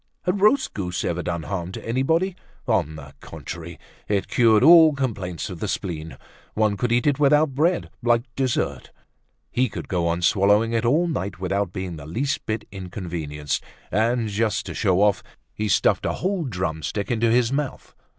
Had roast goose ever done harm to anybody? On the contrary, it cured all complaints of the spleen. One could eat it without bread, like dessert. He could go on swallowing it all night without being the least bit inconvenienced; and, just to show off, he stuffed a whole drum stick into his mouth.